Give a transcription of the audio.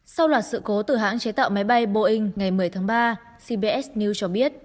sau loạt sự cố từ hãng chế tạo máy bay boeing ngày một mươi tháng ba cbs news cho biết